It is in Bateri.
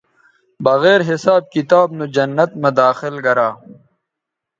بغیر حساب کتاب نو جنت مہ داخل گرا